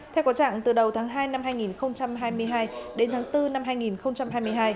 theo có trạng từ đầu tháng hai năm hai nghìn hai mươi hai đến tháng bốn năm hai nghìn hai mươi hai